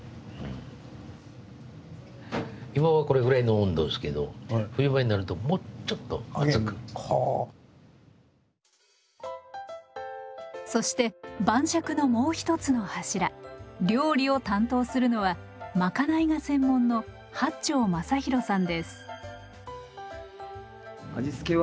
今はこれぐらいの温度ですけどそして晩酌のもう一つの柱料理を担当するのは賄いが専門の八町昌洋さんです。